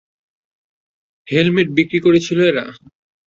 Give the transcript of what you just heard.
Helmet বিক্রি করছিল এরা!